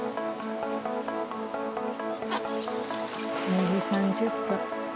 ２時３０分。